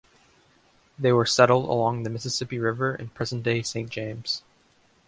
They were settled along the Mississippi River in present-day Saint James.